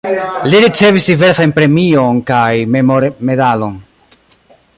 Li ricevis diversajn premion kaj memormedalon.